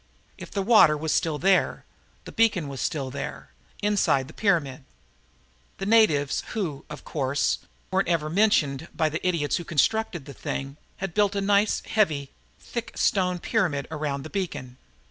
If the water was still there, the beacon was still there inside the pyramid. The natives, who, of course, weren't even mentioned by the idiots who constructed the thing, had built a nice heavy, thick stone pyramid around the beacon.